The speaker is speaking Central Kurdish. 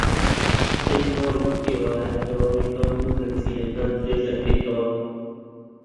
سبەی تاوەکو ئێوارە دەوامی بانک و گەنجینەکان درێژدەکرێتەوە